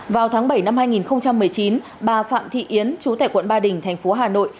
vào tháng bảy năm hai nghìn một mươi chín bà phạm thị yến chú tại quận ba đình thành phố hà nội